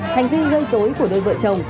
hành vi gây dối của đôi vợ chồng